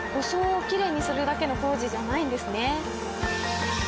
装をきれいにするだけの工事じゃないんですね。